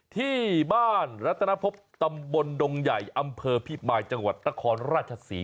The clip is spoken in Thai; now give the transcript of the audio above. ที่บ้านรัตนภพตำบลดงใหญ่อำเภอพิมายจังหวัดนครราชศรี